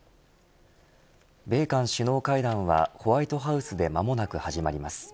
米韓首脳会談はホワイトハウスで間もなく始まります。